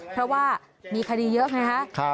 เพราะว่ามีคดีเยอะไงฮะ